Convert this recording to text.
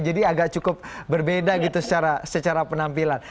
jadi agak cukup berbeda gitu secara penampilan